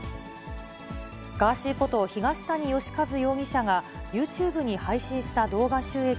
ガーシーこと東谷義和容疑者が、ユーチューブに配信した動画収益